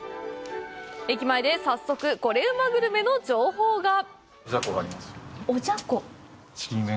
駅前で早速コレうまグルメの情報が！